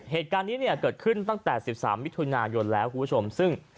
เหตุการณ์นี้เนี่ยเกิดขึ้นตั้งแต่๑๓มิถุนายนแล้วคุณผู้ชมซึ่ง